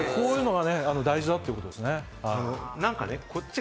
こういうのが大事だってことですね。